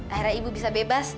akhirnya ibu bisa bebas